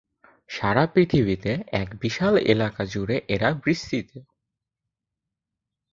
সারা পৃথিবীতে এক বিশাল এলাকা জুড়ে এরা বিস্তৃত।